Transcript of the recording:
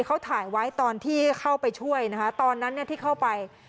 เขาถ่ายไว้ตอนที่เข้าไปช่วยนะคะตอนนั้นเนี่ยที่เข้าไป